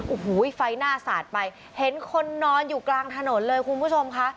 โอ้โหไฟหน้าสาดไปเห็นคนนอนอยู่กลางถนนเลยคุณผู้ชมค่ะ